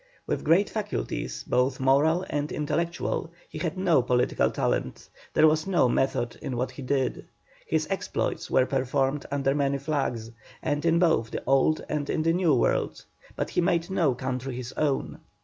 With great faculties, both moral and intellectual, he had no political talent, there was no method in what he did. His exploits were performed under many flags, and in both the Old and in the New World, but he made no country his own.